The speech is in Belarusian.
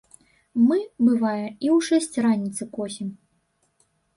Мы, бывае, і ў шэсць раніцы косім.